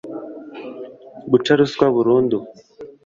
guca ruswa burundu